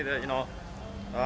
terima kasih nakagami